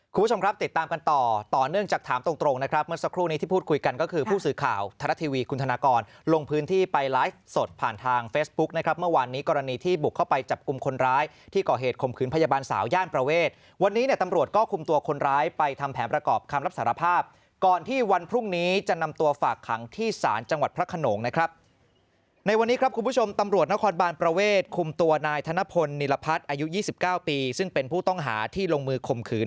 คุณผู้ชมครับติดตามกันต่อต่อเนื่องจากถามตรงตรงนะครับเมื่อสักครู่นี้ที่พูดคุยกันก็คือผู้สื่อข่าวธรรมดาทีวีคุณธนากรลงพื้นที่ไปไลก์สดผ่านทางเฟซบุ๊กนะครับเมื่อวานนี้กรณีที่บุกเข้าไปจับกลุ่มคนร้ายที่ก่อเหตุคมขืนพยาบาลสาวย่านประเวทวันนี้เนี่ยตำรวจก็คุมตัวคนร้ายไปทำแผน